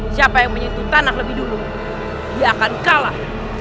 siapa yang menyentuh tanah lebih dulu dia akan kalah